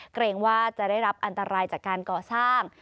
เกรงว่าจะได้รับอันตรายจากการก่อสร้าง